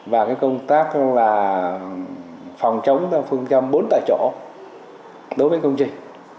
và công tác phòng chống phương chống bốn tại chỗ đối với công trình